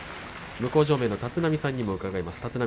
向正面の立浪さんにも伺います。